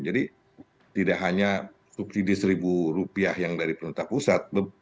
jadi tidak hanya subsidi seribu rupiah yang dari pemerintah pusat